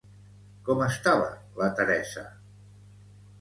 Com estava la Teresa?